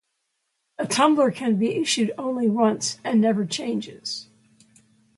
A tumbler can be issued only once and never changes.